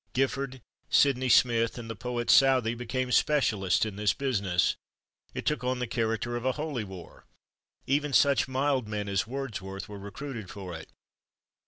Gifford, Sydney Smith and the poet Southey became specialists in this business; it took on the character of a holy war; even such mild men as Wordsworth were recruited for it.